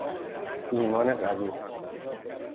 ایمان قوی